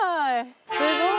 すごい！